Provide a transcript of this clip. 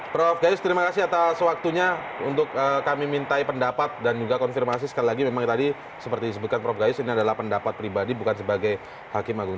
prof gayus terima kasih atas waktunya untuk kami minta pendapat dan juga konfirmasi sekali lagi memang tadi seperti disebutkan prof gayus ini adalah pendapat pribadi bukan sebagai hakim agung